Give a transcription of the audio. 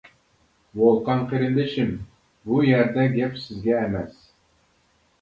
ۋولقان قېرىندىشىم، بۇ يەردە گەپ سىزگە ئەمەس.